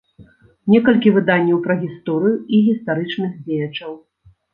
Некалькі выданняў пра гісторыю і гістарычных дзеячаў.